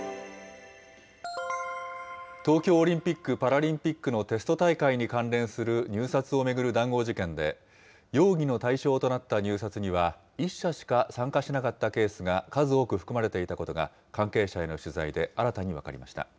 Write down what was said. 東京オリンピック・パラリンピックのテスト大会に関連する入札を巡る談合事件で、容疑の対象となった入札には、１社しか参加しなかったケースが数多く含まれていたことが関係者への取材で新たに分かりました。